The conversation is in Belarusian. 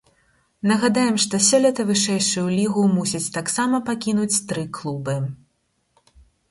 Нагадаем, што сёлета вышэйшую лігу мусяць таксама пакінуць тры клубы.